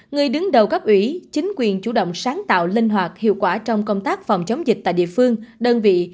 người đứng đầu cấp ủy chính quyền chủ động sáng tạo linh hoạt hiệu quả trong công tác phòng chống dịch tại địa phương đơn vị